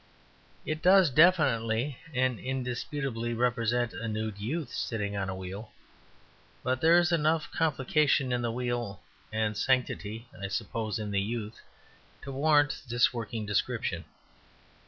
It does definitely and indisputably represent a nude youth sitting on a wheel; but there is enough complication in the wheel and sanctity (I suppose) in the youth to warrant this working description.